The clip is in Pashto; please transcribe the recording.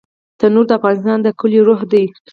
تنور د افغانستان د کليو روح دی